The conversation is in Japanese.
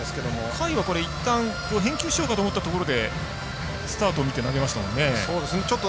甲斐は返球しようかと思ったところでスタートを見て投げましたもんね。